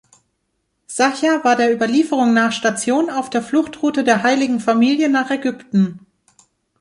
Sacha war der Überlieferung nach Station auf der Fluchtroute der heiligen Familie nach Ägypten.